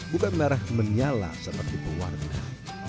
bukan merah menyala seperti pewarna